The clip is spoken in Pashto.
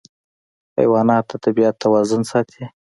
حیوانات د طبیعت توازن ساتي.